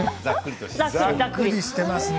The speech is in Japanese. ざっくりしていますね。